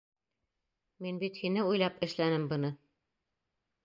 Мин бит һине уйлап эшләнем быны.